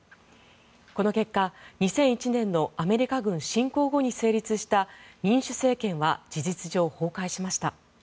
この結果２００１年のアメリカ軍侵攻後に成立した民主政権は事実上、崩壊しました。